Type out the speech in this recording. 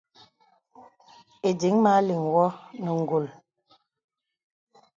Ìdìŋ mə aliŋ wɔ nə ǹgùl.